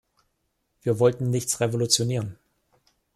Wir wollten nichts revolutionieren.